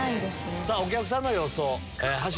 お客さんの予想。